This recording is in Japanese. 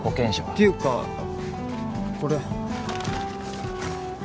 ていうかこれ。